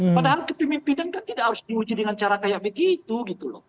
padahal kepemimpinan kan tidak harus diuji dengan cara kayak begitu gitu loh